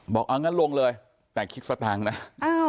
บอกอ้างั้นลงเลยแต่คลิกสตางค์น่ะอ้าว